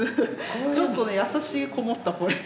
ちょっとね優しいこもった声。